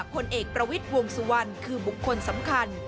ผลเอกประวิทย์วงสุวรรณคือบุคคลสำคัญ